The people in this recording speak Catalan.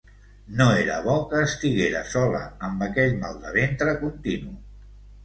No era bo que estiguera sola amb aquell mal de ventre continu.